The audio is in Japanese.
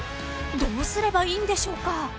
［どうすればいいんでしょうか］